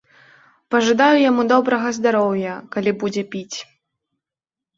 Пажадаю яму добрага здароўя, калі будзе піць.